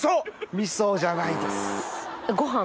みそじゃないです。